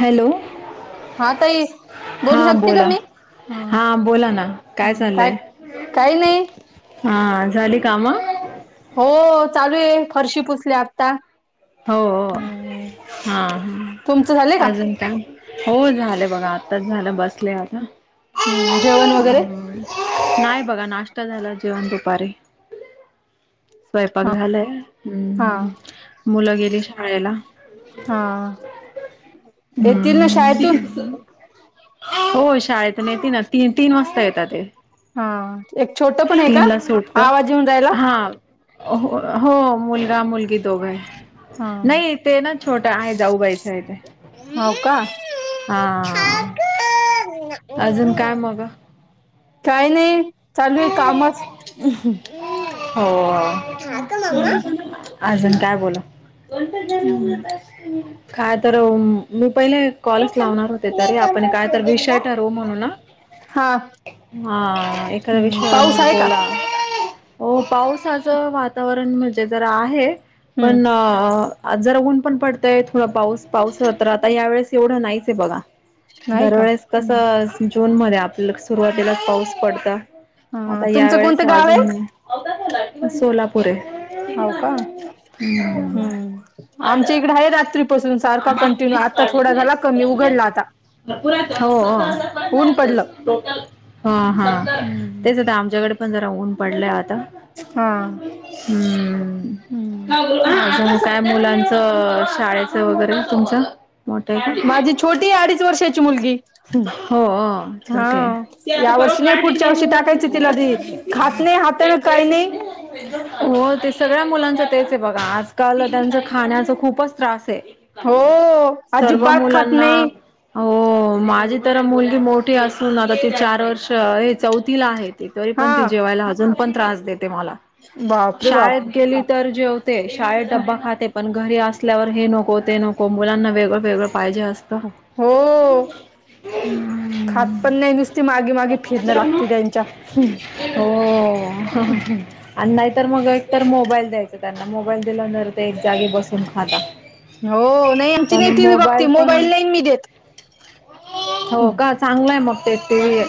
Hello! हा ताई बोलू हा शकते का बोला. मी हा बोला ना, काय चाललंय? काही नाही हां झाली कामं? हो चालूये फरशी पुसली आत्ता. हो-हो हां तुमचं झाले का अजून काय? हो झालं बघा आत्ताच झालं बसले आता. हम्म जेवण वगैरे हं नाय बघा नाष्टा झाला जेवन दुपारीे. स्वयपाक हा झालाय, हा हम्. मुलं गेली शाळेला. येतीलना शाळेतून. हम्म. हो शाळेतून येतीना, ती तीन वासता येताते. हां एक छोटं पणेका सुटत आवाज येऊन जायला. हा हो हो मुलगा, मुलगी दोगाय. हा नाई तेना छोटा आहे जाऊबाइचय ते. हो का आं. अजून काय मगं? काय नइ चालूये कामच. हो, अजून काय बोला? हम्म कायतरं म पहिले कॉलस लावणार होतेतरी आपण कायतर विषय ठरवू म्हणूना. हा हां एखाद्या हम्म विषयावर पाऊस मग आहे का बोला ओ पावसाचं वातावरण म्हंजे जरा आहे. हम्म पणं आज्जरा ऊन पण पड तय थोडं पाऊस पाऊसअ तर आता ह्या वेळेस एवढा नाहीचेय बघा. नाही का दरवेळेस हम्म कसं जून मध्ये आपल् क सुरुवातीला पाऊस पडता. हा आता या तुमचं वेळेस कोणतं गाव आहे अजून सोलापूरय. हो का [inaudible] पासून सारखा कंटिन्यू आता थोडा झाला कमी उघडला आता. हो ऊन पडलं हो हां हां हम्म तेच आता आमच्या कडे पन जरा ऊन पडले आत् ता हा हम्म्. हम्म काय मुलांचं शाळेचं वगैरे तुमचं? मोठं आहे का? माझी छोटीये अडीच वर्षाची मुलगी. हो ओ हा छोटीय. या वर्षी नाही पुढच्या वर्षी टाकायची तिला ती खात नाही हाताने काही नाही हो ते सगळ्या मुलांच तेचे बघा आजकाल त्यांच खाण्याच खूपच त्रास से हो सर्व अजिबात खात मुलांना नाही अं माझी तर मुलगी मोठी असून आता ती चार वर्ष ए चौथीला आहेती हा तरीपण ती जेवायला अजून पण त्रास देते मला बापरे बाप शाळेत गेली तर जेव ते शाळेत डब्बा खाते पण घरी असल्यावर हे नको ते नको मुलांना वेगळं वेगळं पाहिजे असतं. हो. खातपन नाई नुसती मागे मागे फिरणं लागते त्यांच्या. अन नाइतर मग तर मोबाईल द्यायचा त्यांना मोबाईल दिलांतर ते एक जागी बसून खाता. हो नाई आमची पण नाई टीव्ही बघती पण मोबाईल नाईन मी देत. हो का चांगलंय मग ते टीव्ही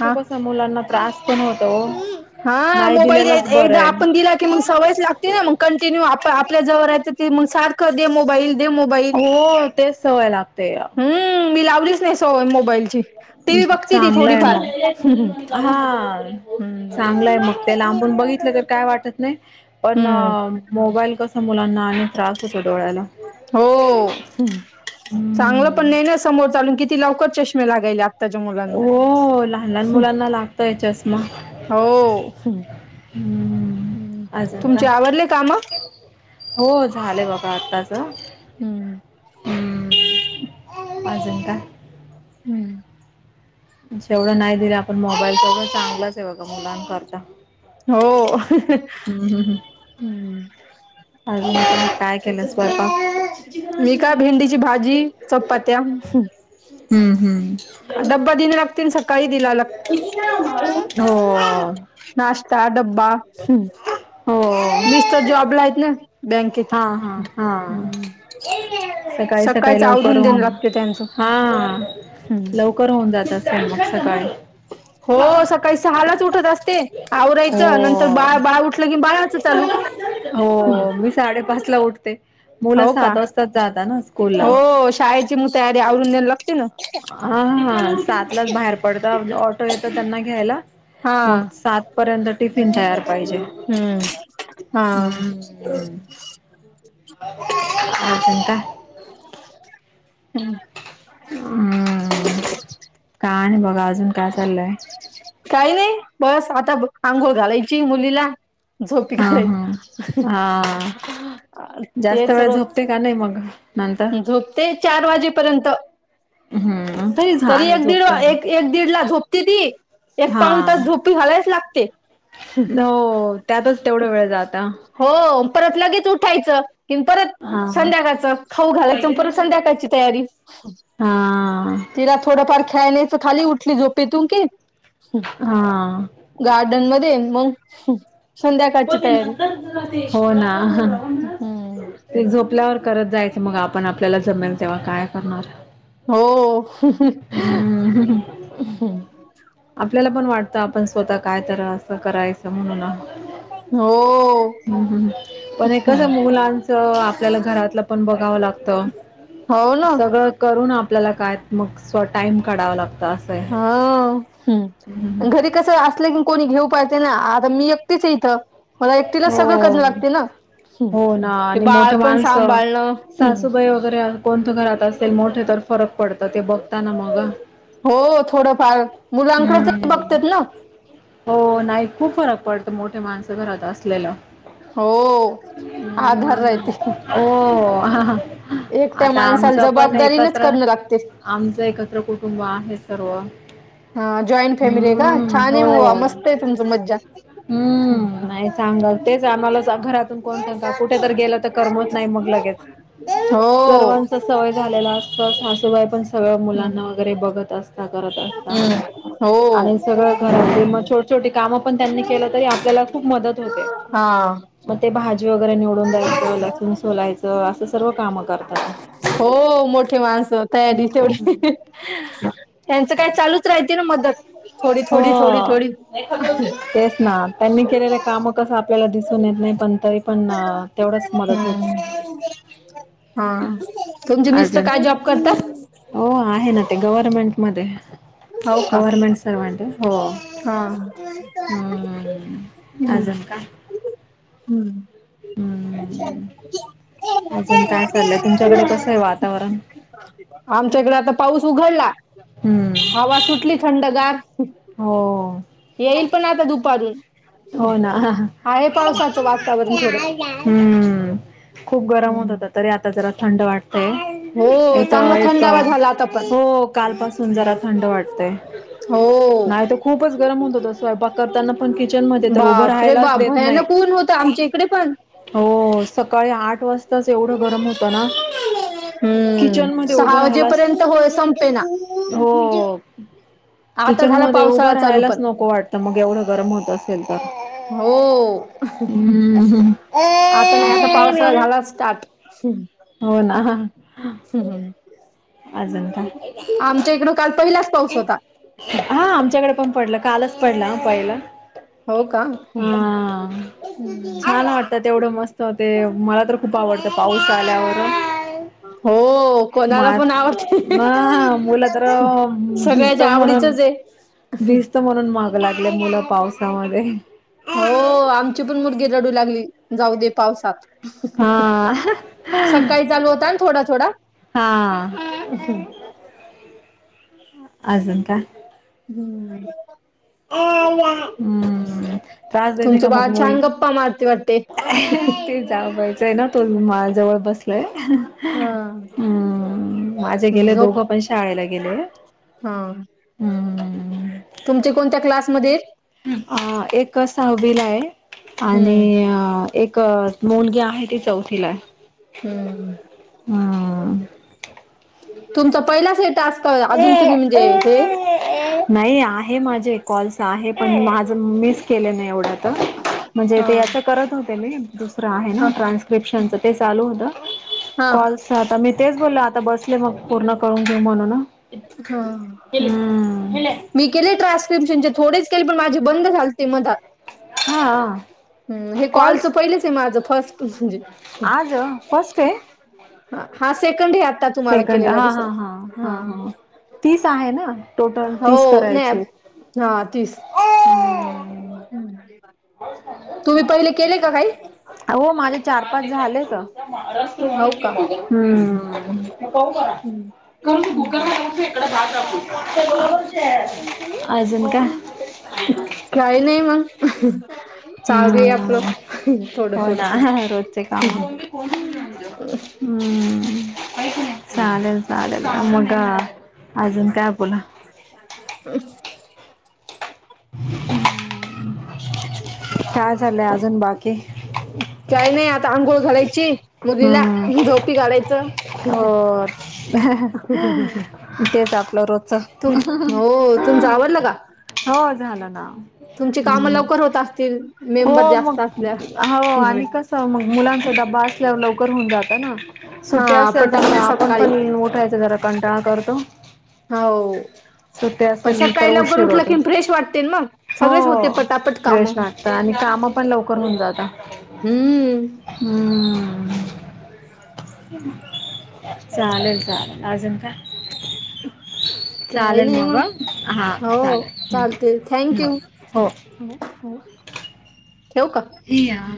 हा कसं मुलांना त्रास पण होतोओ नाय दिलेलंच बरंय. ती मग सवयच लागतीना मग कंटिन्यू आप आपल्या जवर यायचं ते मंग सारखं दे मोबाईल दे मोबाईल हो तेच सवय लागते हम्म् मी लावलीच नाई सवय मोबाईलची टीव्ही बघती ती. गलाय थोडीफार हम्म मग हां चांगलाय मग ते लांबून बघितलं तर काय वाटत नई पण अ हम्म मोबाईल कसं हो चांगलं पण हम्म नाही ना समोर चालून कि ती लवकर चष्मे लागायले आत्ताच्या मुलांना हो लहान लहान मुलांना लागतय चष्मा् हो आज का तुमचे आवरले काम हो झाले आहे बघा आत्ताचं पाजंंद हम्म जवढं नाही दिलं आपण मोबाईल सगळे चांगलंच आहे बघा मुलांकरता हो हम्म हम्म हम्म हम्म केला स्वयंपाक मी काय भेंडीची भाजी चपात्या हम्म हम्म डबा द्यायला पण सकाळी काहि दि हो नाश्ता त्या ड्बा ह बँकेत हा हा हा हम्म सकाळी सकाळी काही सकाळच लवकर आवरून देणं होऊन लागते त्यांचं हा हम्म लवकर होऊन जात असे हो सकाळी सहालाच उठत असते आवरायचं नंतर बा हो बाळा उठलं की बाळाच चालू हो मी साडेपाच ला उठते मुलं हो का सात वाजताच जाता ना स्कूलला हो शाळेची मग तयारी आवरून द्यायला लागते ना हा ह सातलाच बाहेर पडत ऑटो येत त्यांना घ्यायला मग हा सात पर्यंत टिफिन तयार पाहिजे हम्म. हा हम् अजून काय हम् मघ अजून काय चाललंय काही नाही बस आता आंघोळ घालायची मुलीला झोप हा घाला हा हा जास्त तेच वेळ रोज झोपते का नाही मग नंतर झोपते चार वाजेपर्यंत हम्म तरीच तरी आहे एक दीड झोपते मग एक एक दीड ला झोपती ती एक पाऊन हा तास झोपी घालायच लागते हो त्यातच तेवढा वेळ जाता हो परत लगेच उठायचं कि परत हा संध्याकाळचं खाऊ मैत्रिणीशी वाटतं हा तिला थोडफार खेळला खाली उठली झोप त की हा गार्डन मध्ये मग हम् हो ना हम्म झोपल्यावर करत जायचं मग आपण आपल्याला जमेल तेव्हा काय करणार हम्म हो आपल्याला पण वाटतं आपण स्वतः काय तर असं करायचं म्हणून ह् हो ह पण एकादा हम्म. मुलांच आपल्याला घरातलं पण बघावं लागत हो ना सगळं करून आपल्याला काय मग स्व टाइम काढावा लागतो हा घरी कस असलं की कोणी घेऊ पाजे ना आता मी एकतेच आहे इथं मला एकटीला सगळं हो करणे लागते ना हम्म हो ना ते आणि बाळ मोठे पण माणसं सांभाळणं सासूबाई वगैरे कोणतं घरात असेल मोठे तर फरक पडत ते बघताना मग हो थोडंफार मुलांकडेच हम्म बघतात ना हो नाही खूप फरक पडत मोठे माणसे घरात असते असलेला हो आधार राहते हो एकट्या आता माणसाला आमचं पण जबाबदारीनच एकत्र करणं लागते आमचं एकत्र कुटुंब आहे सर्व हा जॉईंट फॅमिली आहे का हम्म छान आहे मु हो मस्त आहे तुमच मज्जा हम्म नाही चांगल तेच आम्हाला घरातून कोणत [inaudible] हो सर्वांचा सवय झालेला असत सासूबाई पण सगळ हम्म मुलांना वगैरे बघत असत हम्म आणि सगळ घरातली मग हो छोट छोटी काम ण त्यांनी के तरी आपल्याला खूप मदत होते हा मग भाज असं सर्व कामं करतात ते हो मोठे माणस हम्म तयारीवढी त्यांच काय चालूच राहिं हो तेच ना त्यांनी केलेले काम कस आपल्याला दिसून येत नाही पण तरी पण तेवढच मदत होते हम्म हा तुमचे अ मिस्टर काय जॉब करतात हो आहे ना ते गव्हर्मेंट मध्ये हो का गव्हर्मेंट सर्वांट आहे हो् हा हम्म आजून का हम्म हम्म अजून काय चाललंय तुमच्याकडे कसं आहे वातावरण [inaudible] आमच्याकडे आता पाऊस उघडला हम्म हवा सुटली थंडगार हो. येईल पण आता दुपारी. हो ना वातावरण थोडं. हम्म. खूप गरम होत हम्म. होता तरी आता जरा थंड वाटत. [inaudible] इथ चांगला य थंडावा झाला आता पण. हो कालपसून जरा थंड वाटतय. हो. नाही तर खूपच गरम होत होत स्वयंपाक करताना पण किचन किचन मध्ये उभ बाप रे राहालाच बाप देत नाही भयानक ऊन होतं आमच्या इकडे पण. हो सकाळी आठ वाजता. तच एवढं गरम होतं ना. हम्म किचन मध्ये उभं सहा राहिला अस वाजेपर्यंत होय संपेना. हो. आता झाला किचनमध्ये उभं पावसाळा चालू राहायलाच पण नको वाटतं मग एवढं गरम होत असेल तर. हो हम्म आता नाही आता पावसा झाला स्टार्ट हम्म. हो ना. हम्म. अजून का आमच्या इकडं काल पहिलाच पाऊस होता. हा आमच्याकडे पण. पडलं कालच पडला पहिला. हो का. हा छान वाटत तेवढं मस्त होते मला तर खूप आवडतं पाऊस आल्यावर. हो कोणाला मा पण व ना मुलं तर भिजत सगळ्याच्या आवडीच आहे. लागल्या मुळ पावसामध्ये. हो आमची पण मुलगी रडू लागली जाऊ दे पावसात. हा सकाळी चालू होता ना थोडा, थोडा. हा अशा [unintelligible] अजुन काय? हम्म. हम्म त्रास देते का तुमचं मग बाळ मुई? छान गप्पा मारते वाटते ते जायचंय ना तो मा जवळ बसलाय. हा. हम्म माझे गेले झोप दोघं पण शाळेला गेले हम्म. तुमच्या कोणत्या क्लास? विला आहे हम्म आणि एक मुलगी आहे ती चौथीला आहे. हम्म हम्म तुमचा पहिला टास्क अस नाही आहे माझ. ते कॉलस आहे पण माझ मिस केले नाही एवढं तर म्हणजे हा ते अस करत होते मी दुसरं आहे ना हा ट्रान्स्क्रिप्शनच ते चालू होत. हा कॉल्स आता मी तेच बोलल आता बसले मग पूर्ण करून घेऊ म्हणून. हा हम्म मी केले. ट्रान्स्क्रिप्शनचे थोडेच केले पण माझी बंद झालते मधात. हा हम्म हे कॉलचं कॉल्स पहिलेच आहे माझं फर्स्ट म्हणजे. आज फर्स्ट आहे ह हा सेकंड ह्या. सेकंड हा हा हा हा हा. तीस आहे ना टोटल तीस हो नाही करायचे. हा तीस हम्म. तुम्ही पहिले केले का काही हो माझे चार, पाच झालेत. हो का हम्म. हम्म. करून तू कुकर हम्म. ला जा इकडं भात. टाकू अजून काय काही नाही मग. चालू आहे आपलं हम्म थोडं हो थोडं ना रोजचे काम हम्म. हम्म चालेल चालेल मग अजून काय बोला [inaudible] ह काय झालंय अजून बाकी काही नाही आता आंघोळ घालायची मुलीला हम्म झोपी घालायचं ज आपला रोजचा तुम हो तुमचं आवरलं का हो झालं ना तुमची कामं लवकर होत असतील हो मेंबर मग जास्त हो आणि असल्यामुळे कस मग मुलां त ड्बा असल्यावर लवकर होऊन जात ना सुट्ट्या हा असेल तर मग पटापट आपण सकाळी पण उठायच जरा कंटाळा करतो हो सुते पण असेल न तरर सकाळी लवकर उशीर उठलं होत की फ्रेश वाटते ना मग हो सगळेच होते पटापट काम प्रेश् वाटता आणि काम पण लवकर होऊन जात हम्म हम्म चालेल चालेल आज का काही चालेल नाही मग हो हा चालेल चालते थँंक यू हो हो ठेव का या